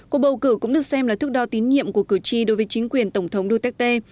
cuộc bầu cử cũng được xem là thước đo tín nhiệm của cử tri đối với chính quyền tổng thống duterte